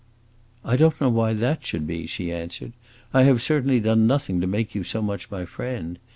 "I don't know why that should be," she answered. "I have certainly done nothing to make you so much my friend.